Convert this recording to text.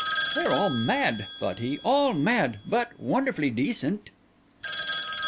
"They are all mad," thought he, "all mad—but wonderfully decent."